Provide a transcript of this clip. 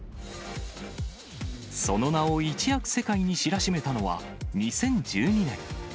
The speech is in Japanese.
その名を一躍世界に知らしめたのは、２０１２年。